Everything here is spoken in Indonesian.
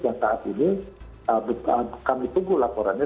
yang saat ini kami tunggu laporannya